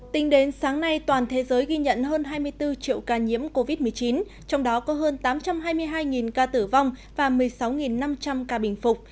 tính đến sáng nay toàn thế giới ghi nhận hơn hai mươi bốn triệu ca nhiễm covid một mươi chín trong đó có hơn tám trăm hai mươi hai ca tử vong và một mươi sáu năm trăm linh ca bình phục